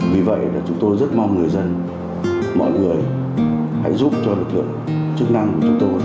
vì vậy là chúng tôi rất mong người dân mọi người hãy giúp cho lực lượng chức năng của chúng tôi